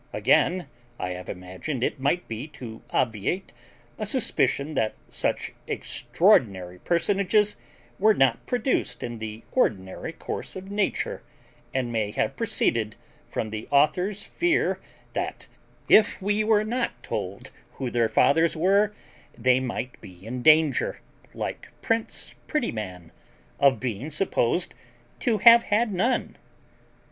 Again, I have imagined it might be to obviate a suspicion that such extraordinary personages were not produced in the ordinary course of nature, and may have proceeded from the author's fear that, if we were not told who their fathers were, they might be in danger, like prince Prettyman, of being supposed to have had none.